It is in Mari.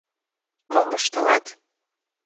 — Мом воштылат?